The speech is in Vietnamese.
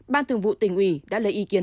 ban thường vụ tỉnh ủy đã lấy ý kiến